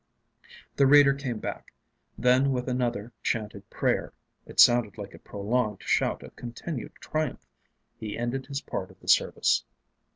The Reader came back. Then with another chanted Prayer it sounded like a prolonged shout of continued Triumph he ended his part of the service.